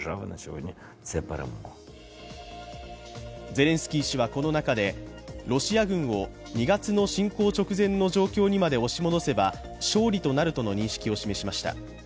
ゼレンスキー氏はこの中で、ロシア軍を２月の侵攻直前の状況にまで押し戻せば、勝利となるとの認識を示しました。